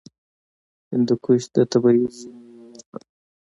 هندوکش د طبیعي زیرمو یوه برخه ده.